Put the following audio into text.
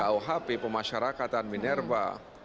rkuhp pemasyarakatan minerva